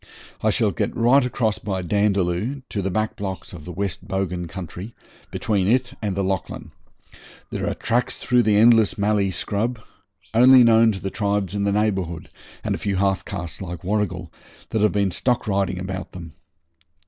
I shall get right across by Dandaloo to the back blocks of the West Bogan country, between it and the Lachlan. There are tracks through the endless mallee scrub, only known to the tribes in the neighbourhood, and a few half castes like Warrigal, that have been stock riding about them.